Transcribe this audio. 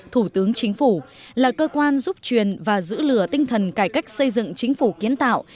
thủ tướng chính phủ là cơ quan giúp truyền và giữ lửa tinh thần cải cách xây dựng chính phủ kiến tạo